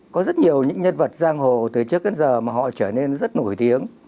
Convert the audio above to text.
có rất nhiều những nhân vật giang hồ từ trước đến giờ mà họ trở nên rất nổi tiếng